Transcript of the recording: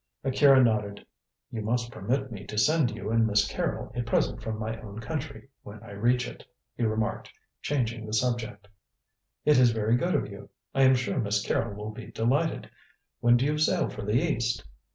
Akira nodded. "You must permit me to send you and Miss Carrol a present from my own country when I reach it," he remarked, changing the subject. "It is very good of you. I am sure Miss Carrol will be delighted. When do you sail for the East?"